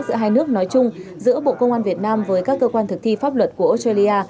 giữa hai nước nói chung giữa bộ công an việt nam với các cơ quan thực thi pháp luật của australia